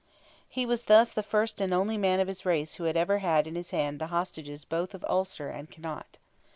He was thus the first and only man of his race who had ever had in his hand the hostages both of Ulster and Connaught.